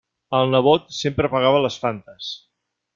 El nebot sempre pagava les Fantes.